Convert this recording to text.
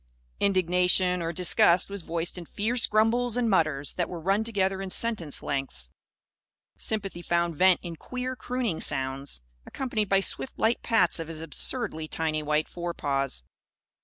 Indignation or disgust was voiced in fierce grumbles and mutters, that were run together in sentence lengths. Sympathy found vent in queer crooning sounds, accompanied by swift light pats of his absurdly tiny white forepaws.